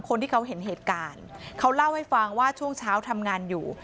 คนที่เขาเห็นเหตุการณ์เขาเล่าให้ฟังว่าช่วงเช้าทำงานอยู่